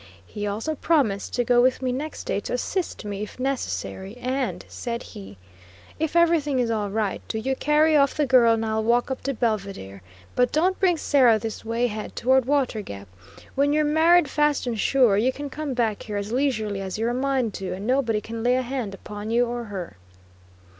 He also promised to go with me next day to assist me if necessary, and, said he: "If everything is all right, do you carry off the girl and I'll walk up to Belvidere; but don't bring Sarah this way head toward Water Gap. When you're married fast and sure, you can come back here as leisurely as you're a mind to, and nobody can lay a hand upon you or her."